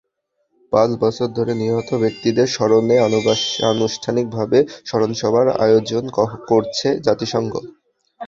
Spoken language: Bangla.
পাঁচ বছর ধরে নিহত ব্যক্তিদের স্মরণে আনুষ্ঠানিকভাবে স্মরণসভার আয়োজন করছে জাতিসংঘ।